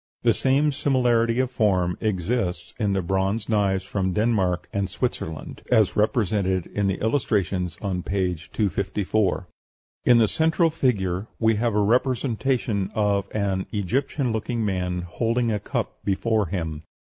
The same similarity of form exists in the bronze knives from Denmark and Switzerland, as represented in the illustrations on p. 254. In the central figure we have a representation of an Egyptian looking man holding a cup before him.